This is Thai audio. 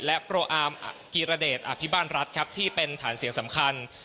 และโปรอาร์มกีรเดชอภิบาลรัฐครับที่เป็นฐานเสียงสำคัญ